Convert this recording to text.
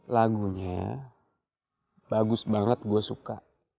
lagunya bagus banget gue suka